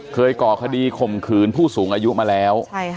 ก่อคดีข่มขืนผู้สูงอายุมาแล้ว